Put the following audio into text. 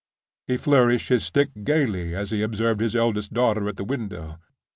He flourished his stick gayly, as he observed his eldest daughter at the window.